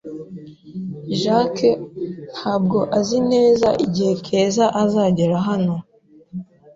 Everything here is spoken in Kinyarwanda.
Jacques ntabwo azi neza igihe Keza azagera hano.